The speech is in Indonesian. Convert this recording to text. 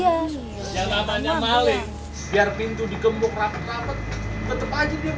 yang namanya maling biar pintu digembok rapet rapet tetep aja dia beca masuk